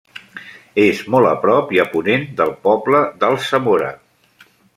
És molt a prop i a ponent del poble d'Alsamora.